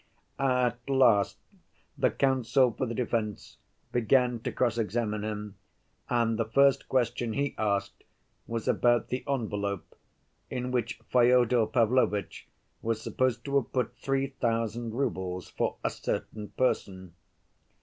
At last the counsel for the defense began to cross‐examine him, and the first question he asked was about the envelope in which Fyodor Pavlovitch was supposed to have put three thousand roubles for "a certain person."